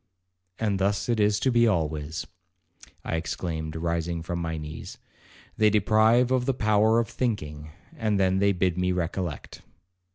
'And thus it is to be always,' I exclaimed, rising from my knees; 'they deprive of the power of thinking, and then they bid me recollect.'